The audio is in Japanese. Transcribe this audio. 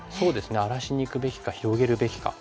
荒らしにいくべきか広げるべきか。